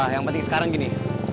yang penting sekarang gini